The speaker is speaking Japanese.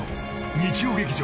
日曜劇場